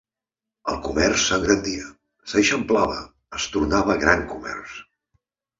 El comerç s'engrandia, s'aixamplava, es tornava gran comerç.